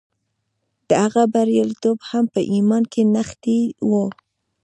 د هغه بریالیتوب هم په ایمان کې نغښتی و